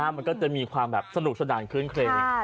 มันก็จะมีความสนุกสนานขึ้นเคลง